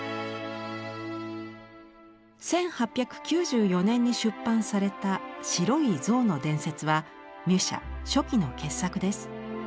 １８９４年に出版された「白い象の伝説」はミュシャ初期の傑作です。